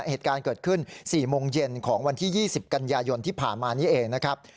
เหตุการณ์เกิดขึ้น๔โมงเย็นของวันที่๒๐กันยายนที่ผ่านมานี้เองนะครับ